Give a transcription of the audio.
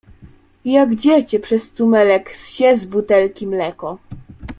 Jak dziecię przez cumelek ssie z butelki mleko